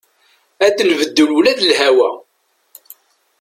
Ad nbeddel ula d lhawa.